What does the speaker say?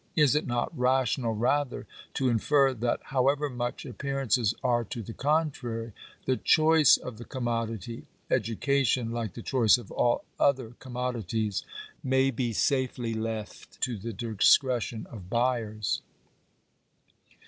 Is it not rational, rather, to infer, that however much appearances are to the contrary, the choice of the commodity — education, like the choice of all other commodities, may be safely left to the discretion of buyers